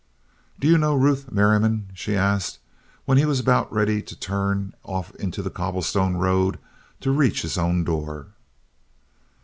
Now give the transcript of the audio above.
"Do you know Ruth Merriam?" she asked, when he was about ready to turn off into the cobblestone road to reach his own door.